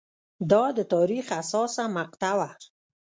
دا د تاریخ حساسه مقطعه وه.